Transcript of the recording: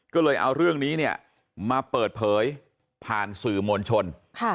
ก็เลยเอาเรื่องนี้เนี่ยมาเปิดเผยผ่านสื่อมวลชน